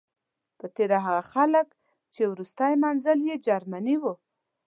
په تیره هغه ډله خلک چې وروستی منزل یې جرمني و.